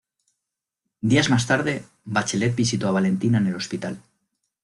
Días más tarde, Bachelet visitó a Valentina en el hospital.